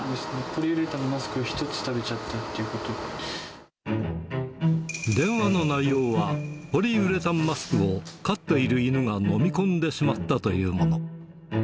ポリウレタンマスクを１つ、電話の内容は、ポリウレタンマスクを、飼っている犬が飲み込んでしまったというもの。